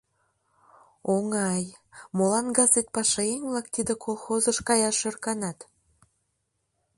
Оҥай, молан газет пашаеҥ-влак тиде колхозыш каяш ӧрканат?